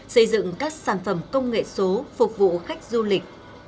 xây dựng các sản phẩm công nghệ số phục vụ khách du lịch